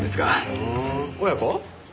ふーん親子？